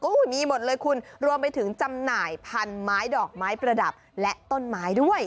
มีหมดเลยคุณรวมไปถึงจำหน่ายพันไม้ดอกไม้ประดับและต้นไม้ด้วย